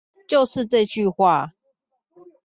就是這句話